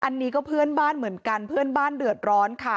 อันนี้ก็เพื่อนบ้านเหมือนกันเพื่อนบ้านเดือดร้อนค่ะ